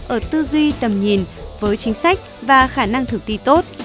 ở tư duy tầm nhìn với chính sách và khả năng thử ti tốt